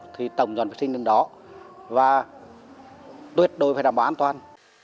thì tổng dọn vệ sinh đến đó và tuyệt đối phải đảm bảo an toàn